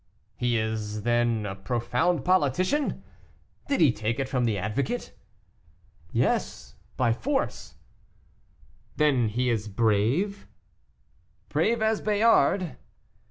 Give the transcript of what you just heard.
"He is, then, a profound politician? Did he take it from the advocate?" "Yes, by force." "Then he is brave?" "Brave as Bayard."